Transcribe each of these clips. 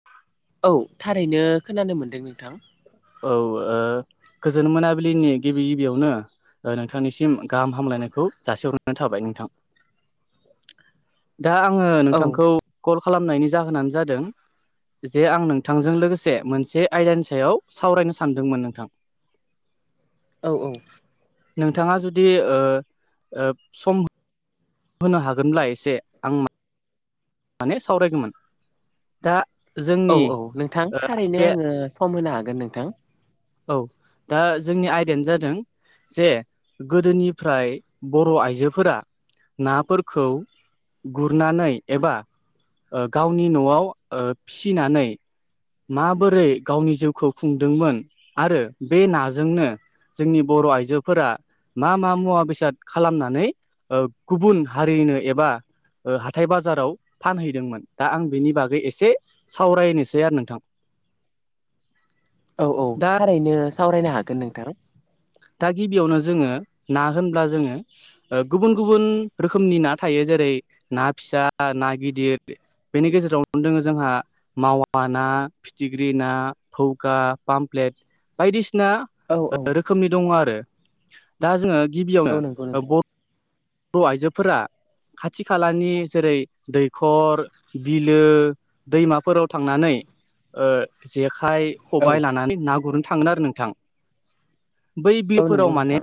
[inaudible] औ थारैनो खोनानो मोनदों नोंथां। औ ओ गोजोन मोनाबिलिनि गिबि गिबियावनो। नोंथांनिसिम गाहाम हामलायनायखौ जासिहरनाय थाबाय नोंथां। [inaudible] दा आङो औ नोंथांखौ कल खालामनायनि जाहोनानो जादों जे आं नोंथांजों लोगोसे मोनसे आइलड सायाव सावरायनो सानदोंमोन नोंथां। औ औ। नोंथाङा जुदि ओ ओ सम। होनो हागोनब्ला एसे। आं माने सावरायगौमोन दा औ जोंनि औ नोंथां ओ थारैनो बे आङो सम होनो हागोन नोंथां। औ दा जोंनि आयदायानो जादों। जे गोदोनिफ्राय बर' आइजोफोरा नाफोरखौ। गुरनानै एबा गावनि न'आव फिसिनानै माबोरै गावनि जिउखौ खुंदोंमोन आरो बे नाजोंनो जोंनि बर' आइजोफोरा मा मा मुवा बेसाद खालामनानै गुबुन हारिनो एबा। हाथाय बाजाराव फानहैदोंमोन दा आं बिनि बागै एसे सावरायनोसै आरो नोंथां। औ औ दा थारैनो सावरायनो हागोन नोंथां। दा गिबियावनो जोङो ना होनब्ला जोङो ओ गुबुन गुबुन रोखोमनि ना थायो जेरै ना फिसा ना गिदिर। बेनि गेजेराव दङो जोंहा। मावा ना फिथिख्रि ना थौखा पामफ्लेट बायदिसिना औ औ रोखोमनि दङ आरो दा जोङो गिबियावनो औ नंगौ नोंथां बर' आइजोफोरा खाथि खालानि जेरै दैखर बिलो। दैमाफोराव थांनानै जेखाइ औ खबायाइ लानानै ना गुरनो थाङोन आरो नोंथां बै औ नंगौ बिलफोराव माने। नोंथां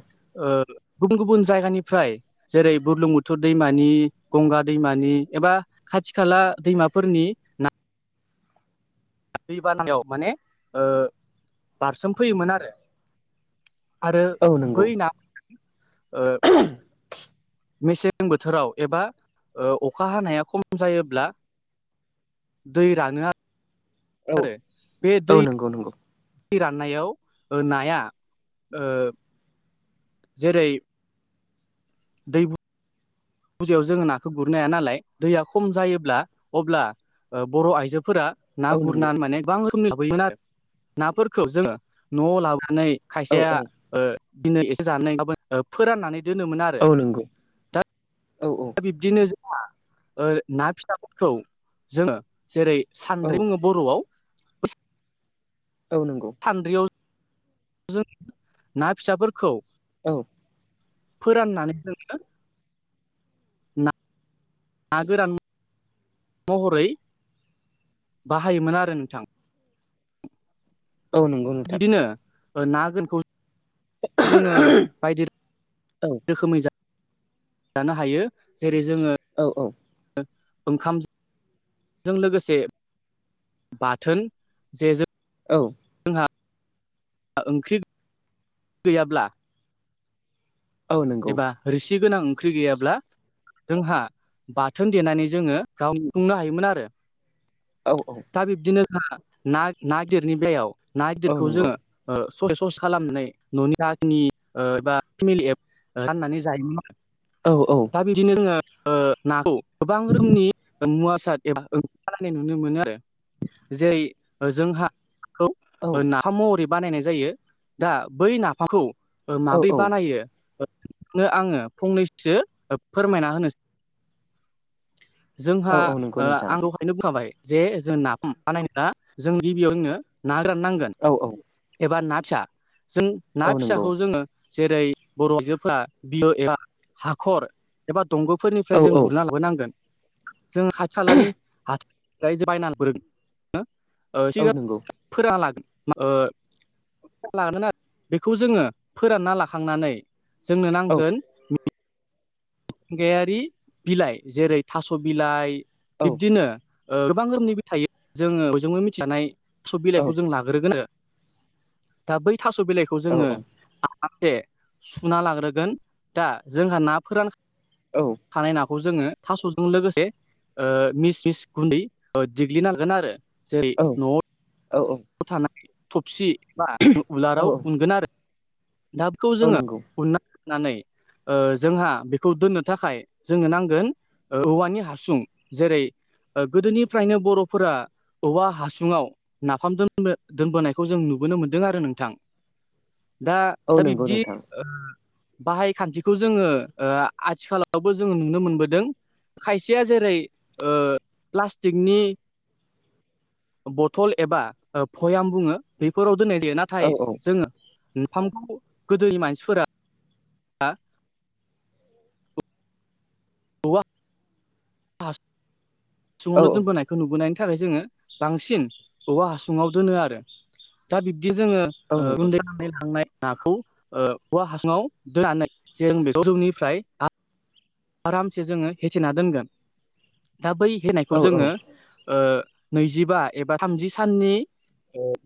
गुबुन गुबुन जायगानिफ्राय जेरै बुरलुं बुथुर दैमानि गंगा दैमानि एबा खाथि खाला दैमाफोरनि। दै बानाव माने बारसोम फैयोमोन आरो। आरो औ नंगौ बै ना। [inaudible] मेसें बोथोराव एबा अखा हानाया खम जायोब्ला दै राङो आरो औ बे औ दै नंगौ नंगौ। राननायाव नाया ओ जेरै दै फुजायाव जोङो नाखौ गुरनाया नालाय दैया खम जायोब्ला अब्ला बर' आइजोफोरा। ना औ नंगौ गुरनानै माने गोबां रोखोमनि लाबोयोमोन आरो नाफोरखौ जोङो न'आव लाबोनानै। औ खायसेया औ बिनो एसे जानानैबाबो फोराननानै दोनोमोन आरो। औ औ। बिदिनो ज ना फिथफोरखौ जोङो जेरै औ सानद बुङो बर'आव बे औ नंगौ। सान्द्रियाव जों ना फिसाफोरखौ। औ। फोराननानै जोङो। ना गोरान महरै बाहायोमोन आरो नोंथां औ नंगौ नोंथां बिदिनो ना गोनखौ जोङो बायदि औ रोखोमै जा जानो हायो जेरै जोङो औ औ ओंखाम जों लोगोसे बाथोन जे जों औ ओंख्रि गैयाब्ला औ नंगौ एबा रोसि गोनां ओंख्रि गैयाब्ला जोंहा बाथोन देनानै जोङो गाव [unintelligible] नो हायोमोन आरो औ औ दा बिब्दिनो जोंहा ना ना गिदिरनि बेलायाव ना औ गिदिरखौ नंगौ जोङो स सस खालामनानै न'नि रनि एबा फेमिलि फाननानै जायोमोन आरो औ औ दा बिदिनो जोङो नाखौ गोबां रोखोमनि मुवा बेसाद एबा ओंखालायनाय नुनो मोनो आरो जेरै जोंहा खौ नाफाम महरै बानायनाय जायो दा बै नाफामखौ औ माब्रै बानायो नो आङो फंनैसो फोरमायना होनो जोंहा औ नंगौ नोंथां आं र बुंजोबखाबाय जे जों नाफाम बानाया जों गिबियाव जोंनो ना गोरान नांगोन औ औ एबा ना फिसा जों ना औ नंगौ फिसाखौ जोङो जेरै बर'जो फोरा बि एबा हाखर एबा औ दंग'फोरनिफ्राय जों औ गुरना लाबोनांगोन जों औ [unintelligible] नंगौ फोरानना लागोन लागोन बेखौ जोङो फोरानना लाखांनानै जोंनो औ नांगोन मिथिंगायारि बिलाइ जेरै थास' बिलाइ औ बिब्दिनो गोबां रोखोमनि बिलाइ थायो जोङो बयजोंबो मिथिजानाय सब औ बिलाइखौ जों लागोन होग्रोगोन दा बै थास' बिलाइखौ जोङो औ से सुना लाग्रोगोन दा जोंहा ना फोरान औ थानाय नाखौ जोङो थास'जों लोगोसे मिस मिस गुन्दै देग्लिनांगोन आरो जेरै औ औ औ थानाय थबसि बा उलाराव औ उनगोन आरो नाखौ औ जोङो नंगौ उनना लानानै जोंहा बेखौ दोननो थाखाय जोंनो नांगोन औवानि हासुं जेरै गोदोनिफ्रायनो बर'फोरा औवा हासुङाव नाफामजों दोनबोनायखौ जों नुबोनो मोन्दों आरो नोंथां दा औ दा नंगौ बिब्दि नोंथां बाहाय खान्थिखौ जोङो आथिखालावबो जोङो नुनो मोनबोदों खायसेया जेरै प्लास्टिकनि बथल एबा भयाम बुङो बेफोराव दोननाय जायो औ नाथाय औ जोङो नाफामखौ गोदोनि मानसिफोरा औवा औ सङनो द [unintelligible] न नुबोनायनि थाखाय जोङो बांसिन औबवा हासुङाव दोनो आरो दा बिब्दि जोङो औ नंगौ गुन्दै गनाय लांनाय नाखौ औवा हासुङाव दोननानै जों बेखौ जौनिफ्राय आरामसे जोङो होेथेना दोनगोन दा बै औ होनायखौ औ जोङो नैजिबा एबा थामजि साननि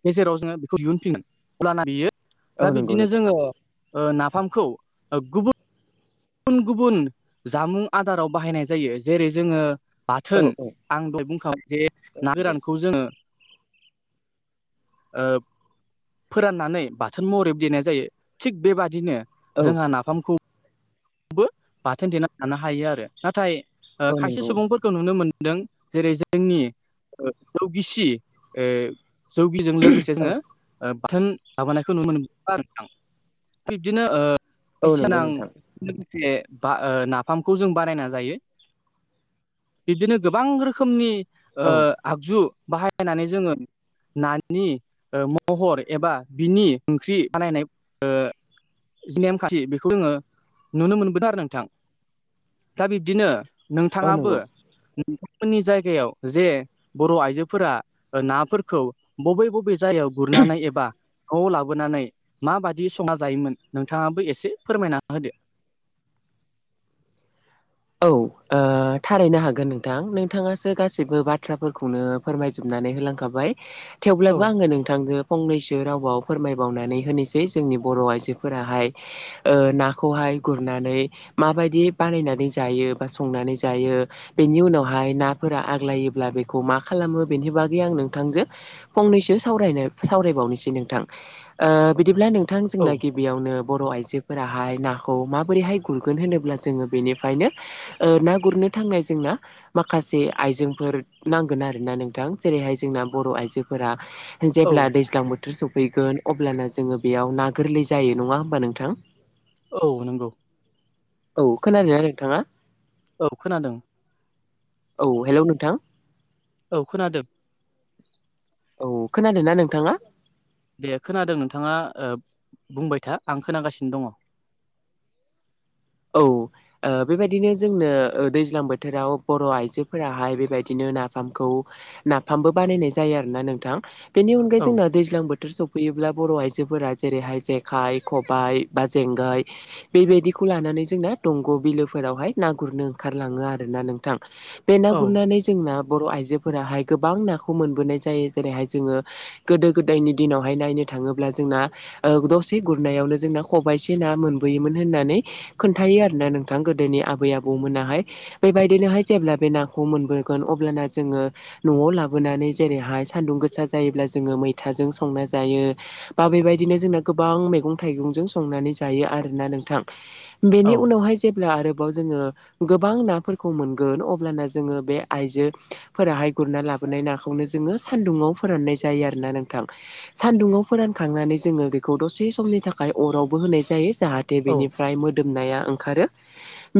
गेजेराव जोङो बेखौ दिहुनफिनगोन अब्लाना बियो औ दा नंगौ बिब्दिनो नोंथां जोङो नाफामखौ गुबुन गुबुन गुबुन जामुं आदाराव बाहायनाय जायो जेरै जोङो औ बाथोन आं दहाय बुंखाबाय जे औ ना नंगौ गोरानखौ जोङो ओ फोराननानै बाथोन महरै देनाय जायो थिग बेबादिनो औ जोंहा नाफाम बाथोन देना लानो हायो आरो नाथाय औ खायसे नंगौ सुबुंफोरखौ खौ नुनो मोनदों जेरै जोंनि जौगिसि जौगिजों लोगोसे औ जोङो बाथोन माबानायखौ नुनो मोनबो आरो आं बिब्दिनो औ नंगौ बायसिना नोंथां लोगोसे बा नाफामखौ जों बानायना जायो। बिबदिनो गोबां रोखोमनि औ आगजु बाहायनानै जोङो नानि महर एबा बिनि ओंख्रि बानायनाय जि नेमखान्थि बेखौ जोङो नुनो मोनबोदों आरो नोंथां दा बिब्दिनो औ नोंथाङाबो नंगौ औ नोंथांमोननि जायगायाव जे बर' आइजोफोरा नाफोरखौ बबे बबे जायगायाव गुरनानै एबा खौ लाबोनानै माबाददि संना जायोमोन नोंथाङाबो एसे फोरमायना होदो औ थारैनो हागोन नोंथां नोंथाङासो गासैबो बाथ्राफोरखौनो फोरमायजोबनानै होलांखाबाय औ थेवब्लाबो आङो नोंथांजों फंनैसो रावाव फोरमायबावनानै होनोसै जोंनि बर' आइजोफोराहाय नाखौहाय गुरनानै माबायदि बानायनानै जायो बा संनानै जायो। बेनि उनावहाय नाफोरा आग्लायोब्ला बेखौ मा खालामो बेनि बागै आं नोंथांजों फंनैसो सावरायनो सावरायबावनोसै नोंथां बिदिब्ला नों मोंथां औ जोंना गिबियावनो बर' आइजोफोराहाय नाखौ माबोरैहाय गुरगोन होनोब्ला जोङो बेनि ओंखायनो ना गुरनो थांनाय जोंना माखासे आइजेंफोर नांगोन आरोना नोंथां जेरैहाय जोंना बर' आइजोफोरा औ जेब्ला दैज्लां बोथोर सफैगोन अब्लाना जोङो बेयाव ना गोरलै जायो नङा होमबा नोंथां? औ नंगौ। औ खोनादोंना नोंथाङा। औ खोनादों। औ हेल' नोंथां। औ खोनादों। औ खोनादोंना नोंथाङा? दे खोनादों नोंथाङा बुंबाय था आं खोनागासिनो दङ। औ। बेबायदिनो जोंनो दैज्लां बोथोराव बर' आइजोफोराहाय बेबायदिनो नाफामखौ नाफामबो बानायनाय जायो आरोना नोंथां बेनि अनगायै जोंना दैज्लां बोथोर सफ फैयोब्ला बर' आइजोफोरा जेरैहाय जेखाइ खबाइ बा जेंगाइ बेबायदिखौ लानानै जोंना दंग' बिलोफोरावहाय ना गुरनो ओंखारलाङो आरोोना नोंथां बे ना औ गुरनानै जोंना बर' आइजोफोराहाय गोबां नाखौ मोनबोनाय जायो जेरैहाय जोङो गोदो गोदायनि दिनावहाय नायनो थाङोब्ला जोंना दसे गुरनायावनो जोंना खबाइसे ना मोनबोयोमोन होननानै खोन्थायो आर ना नोंथां गोदोनि आबै आबौमोनाहाय। बेबायदिनोहाय जेब्ला बे नाखौ मोनबोगोन अब्लाना जोङो। न'आव लाबोनानै जेरैहाय सान्दुं गोसा जायोब्ला जोङो मैथाजों संना जायो। बा बेबायदिनो जोंना गोबां मैगं थाइगंजों संनानै जायो आरोना नोंथां। बेनि उनावहाय जेब्ला आरोबाव जोङो। गोबां नाफोरखौ मोनगोन अब्लाना जोङो बे आइजोफोराहाय गुरना लाबो। गबोनाय नाखौनो जोङो सान्दुुङाव फोराननाय जायो आरोना नोंथां। सान्दुंङाव फोरानखांनानै जोङो बेखौ दसे समनि थाखाय अरावबो होनाय जायो जाहाथे। दे औ बेनिफ्राय मोदोमनाया ओंखारो।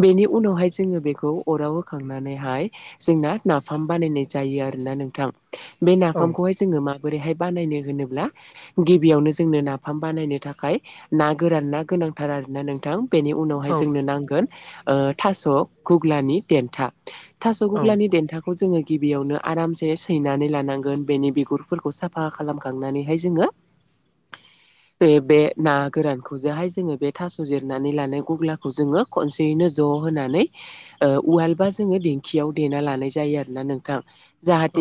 बेनि उनावहाय जोङो बेखौ अराव होखांनानैहाय जोंना नाफाम बानायनाय जायो आरोना नोंथां बे औ नाफामखौहाय। जोङो माबोरैहाय बानायनो होनोब्ला। गिबियावनो जोंनो नाफाम बानायनो थाखाय ना गोरान ना गोनांथार आरोना नोंथां। बेनि उनावहाय औ जोंनो नांगोन थास' गुग्लानि देन्था औ थास'गु्लानि दन्थाखौ खौ जोङो गिबियावनो आरामसे सैनानै लानांगोन बेनि बिगुरफोरखौ साफा खालामखांनानैहाय जोङो। बे ना गोरानखौजोंहाय जोङो बे थास' जिर नानै लानाय गग्लाखौ जोङो खनसेयैनो ज' होनानै। उवालबा जोङो दिेंखियाव देना लानाय जायो आरो ना नोंथां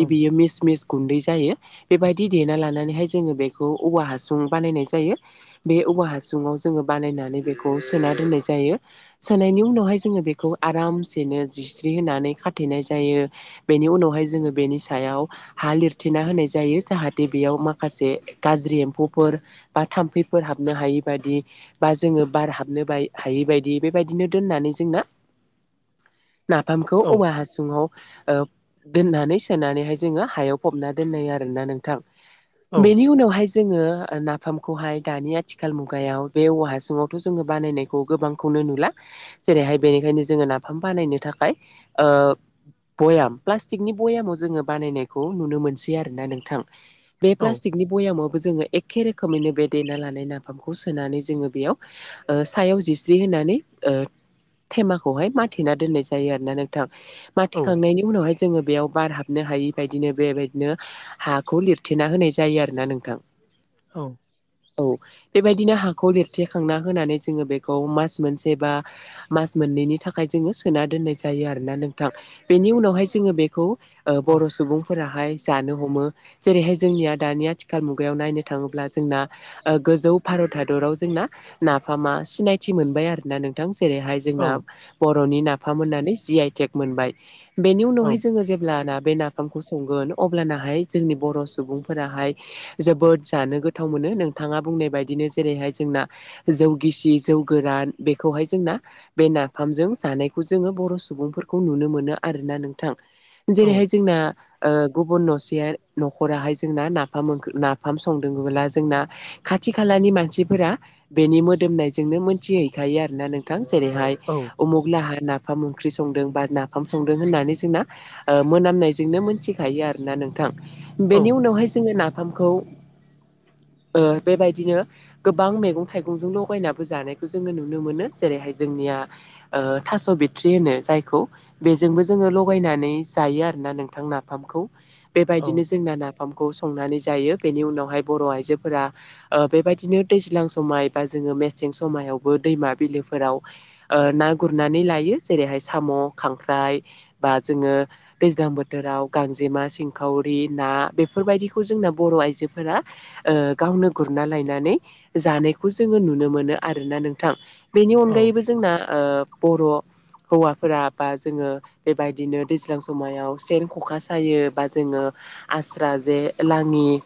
औ बियो मिस मिस गुन्दै जायो बेबायदि देना लानानैहाय जोङो बेखौ औवा हासुं बानायनाय जायो। बे औवा हासुङाव जोङो बानायनानै बेखौ सोना दोननाय जायो। सोनायनि उनावहाय जोङो बेखौ आरामसेनो जिस्रि होनानै खाथेनाय जायो। बेनि उनावहाय जोङो बेनि सायाव हा लिरथिना होनाय जायो जाहाथे बेयाव माखासे गाज्रि एम्फौफोर बा थाम्फैफोर हाबनो हायि बादि बा जोङो। बार हाबनो ब हायि बायदि बेबायदिनो दोननानै जोंना‌। नाफामखौ औवा हासुङाव। दोननानै सोनानैहाय जोङो हायाव फबना दोननाय आरोना नोंथां। औ बेनि उनावहाय जोङो नाफामखौहाय दानि आथिखाल मुगायाव बे औवा हासुङाव। थ' जोङो बानायनायखौ गोबांखौनो नुला जेरैहाय बेनिखायनो जोङो नाफाम बानायनो थाखाय। भयाम प्लास्टिकनि भयामाव जोङो बानायनायखौ नुनो मोनसै आरोोना नोंथां। बे औ प्लास्टिकनि भयामावबो जोङो एखे रोखोमैनो बे देना लानाय नाफामखौ सोनानै जोङो बेयाव। सायाव जिस्रि होनानै। थेमाखौहाय माथेना दोननाय जायो आरोोना नोंथां मथिेखांनायनि। उनावहाय जोङो बेयाव बार हाबनो हायि बदिनो बेबायदिनो हाखौ लिरथेना होनाय जायो आरोोना नोंथां। औ। औ बेबायदिनो हाखौ लेरथेखांना होनानै जोङो बेखौ मास मोनसे बा मास मोननैनि थाखाय जोङो सोना दोननाय जायो आरोना नोंथां बेनि उनावहाय जोङो बेखौ। बर' सुबुं फोराहाय जानो हमो जेरैहाय जोंनिया दानि आथिखाल मुगायाव नायनो थाङोब्ला जोंना गोजौ भारत हादराव जोंना। नाफामा सिनायथि मोनबाय आरोोना नोंथां जेरैहाय जोंना बर'नि नाफाम मोननानै जि आइटेक मोनबाय बेनि उनावहाय जोङो जेब्लाना बे ना ओंखामखौ संगोन अब्लानाहाय जोंनि बर' सुबुंफोराहाय जोबोद जानो गोथाव मोनो नोंथाङा बुंनाय बायदिनो जेरैहाय जोंना जौ गिसि जौ गोरान बेखौहाय जोंना। बे नाफामजों जानायखौ जोङो बर' सुबुंफोरखौ नुनो मोनो आरोना नोंथां। जेरैहाय जोंना गुबुन न'से न'खराहाय जोंना नाफाम ओख्रै नाफाम संदोंबोब्ला जोंना खाथि खालानि मानसिफोरा बेनि मोदोमनायजोंनो मोनथिहैखायो आरोना नोंथां जेरैहाय औ उमुख लाहहा नाफाम ओंख्रि संदों बा नाफाम संदों होननानै जोंना मोनामनायजोंनो मोनथिखायो आरोना नोंथां बेनि उनावहाय जोङो नाफामखौ बेबायदिनो गोबां मैगं थाइगंजों लगायनाबो जानायखौ जोङो नुनो मोनो जेरैहाय जोंनिया थास' बिथट्रि होनो जायखौ बेजोंबो जोङो लगायनानै जायो आरोना नोंथां नाफामखौ औ बेबायदिनो जोंना नाफाम नाफामखौ संनानै जायो बेनि उनावहाय बर आइजोफोरा ओ बेबायदिनो दैज्लां समाव समाय बा जोङो मेसें समायावबो दैमा बिलोफोराव ना गुरनानै लायो जेरैहाय साम' खांख्राइ बा जोङो दैज्लां बोथोराव गांजेमा सिंखावरि ना बेफोरबायदिखौ जोंना बर' आइजोफोरा गावनो गुरना लायनानै जानायखौ जोङो नुनो मोनो आरोना नोंथां बेनि औ अनगायैबो जोंना बर' हौवाफोरा बा जोङो बेबायदिनो दैज्लां समायाव सेन ख'खा सायो बा जोङो आस्रा जे लाङि